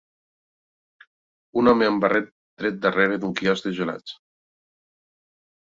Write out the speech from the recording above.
Un home amb barret dret darrere d'un quiosc de gelats.